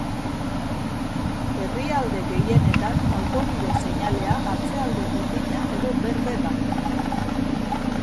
Herrialde gehienetan, autobide seinalea atzealde urdina edo berde da.